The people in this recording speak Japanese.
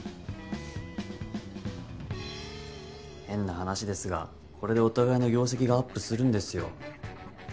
変な話ですがこれでお互いの業績がアップするんですよ